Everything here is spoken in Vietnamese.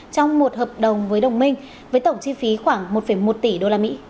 trong một hợp đồng với đồng minh với tổng chi phí khoảng một một tỷ usd